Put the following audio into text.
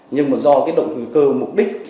nhưng do động cơ mục đích